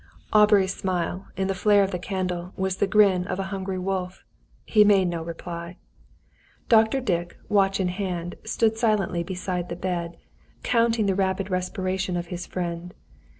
Aubrey's smile, in the flare of the candle, was the grin of a hungry wolf. He made no reply. Dr. Dick, watch in hand, stood silently beside the bed, counting the rapid respiration of his friend.